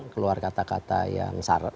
keluar kata kata yang